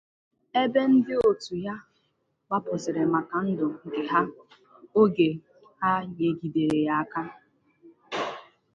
ebe ndị otu ya gbapụzịrị maka ndụ nke ha oge ha nyegideere ya aka